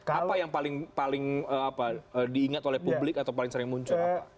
apa yang paling diingat oleh publik atau paling sering muncul